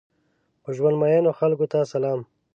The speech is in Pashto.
په ژوند مئینو خلکو ته سلام!